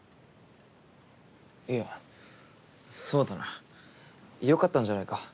いやそうだなよかったんじゃないか。